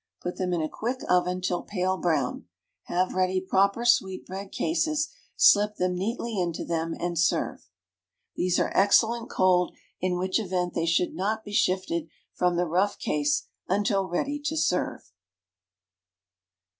Put them in a quick oven till pale brown. Have ready proper sweetbread cases, slip them neatly into them, and serve. These are excellent cold, in which event they should not be shifted from the rough case until ready to serve.